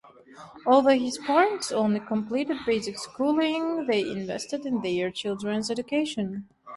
Although his parents only completed basic schooling, they invested in their children's education.